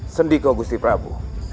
sendiko gusti prabu